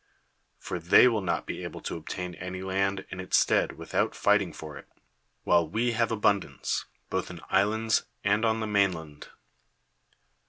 For ilicy will not be able to obtain any land in its stead without fighting for it; while we have abundance, both in islands and on the mainland.